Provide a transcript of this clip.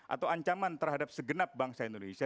atau ancaman terhadap segenap bangsa indonesia